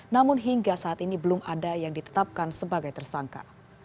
namun hingga saat ini belum ada yang ditetapkan sebagai tersangka